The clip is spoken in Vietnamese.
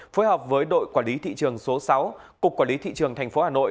phối hợp với đội quản lý thị trường số sáu cục quản lý thị trường thành phố hà nội